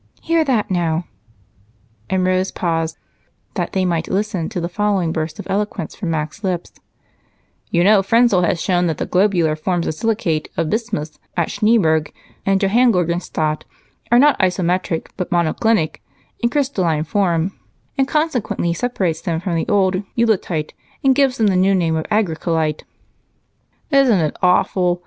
Hear that now." And Rose paused that they might listen to the following burst of eloquence from Mac's lips: "You know Frenzal has shown that the globular forms of silicate of bismuth at Schneeburg and Johanngeorgenstadt are not isometric, but monoclinic in crystalline form, and consequently he separates them from the old eulytite and gives them the new name Agricolite." "Isn't it awful?